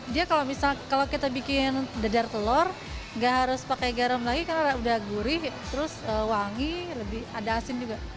dia kalau kita bikin dadar telur nggak harus pakai garam lagi karena udah gurih terus wangi ada asin juga